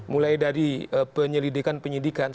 mulai dari penyelidikan penyidikan